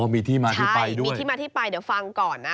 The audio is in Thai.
มีที่มาที่ไปด้วยมีที่มาที่ไปเดี๋ยวฟังก่อนนะ